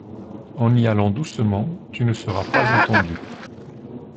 En y allant doucement, tu ne seras pas entendu.